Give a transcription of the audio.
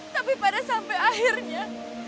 tapi pada sampai akhirnya